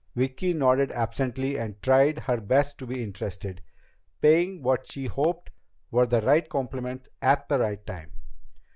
Vicki nodded absently and tried her best to be interested, paying what she hoped were the right compliments at the right time.